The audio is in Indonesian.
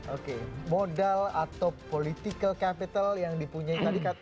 oke modal atau political capital yang dipunya tadi